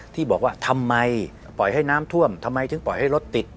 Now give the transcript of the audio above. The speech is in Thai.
ที่บอกว่าทำไมปล่อยให้น้ำท่วมทำไมถึงปล่อยให้รถติด